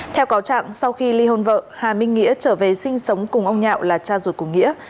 theo cáo trạng sau khi ly hôn vợ hà minh nghĩa trở về sinh sống cùng ông nhạo là cha ruột của nghĩa